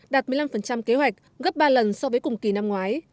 đạt một mươi năm kế hoạch gấp ba lần so với cùng kỳ năm ngoái